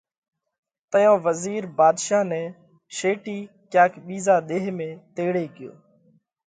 تئيون وزِير ڀاڌشا نئہ شيٽِي ڪياڪ ٻِيزا ۮيه ۾ تيڙي ڳيو